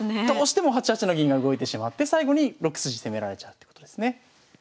どうしても８八の銀が動いてしまって最後に６筋攻められちゃうってことですね。